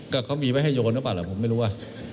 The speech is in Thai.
ก็เขามีไว้ให้โยนหรือเปล่าล่ะผมไม่รู้ว่า